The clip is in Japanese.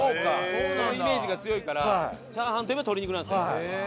そのイメージが強いからチャーハンといえば鶏肉なんですね。